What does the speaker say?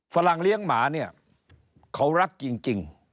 ฝรั่งเลี้ยงหมาเขารักจริง